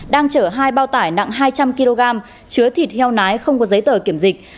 đang chở hai bao tải nặng hai trăm linh kg chứa thịt heo nái không có giấy tờ kiểm dịch